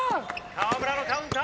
河村のカウンター。